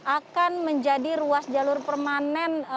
akan menjadi ruas jalur permanen